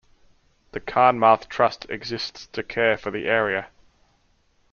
The Carnmarth Trust exists to care for the area.